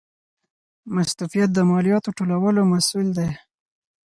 مستوفیت د مالیاتو ټولولو مسوول دی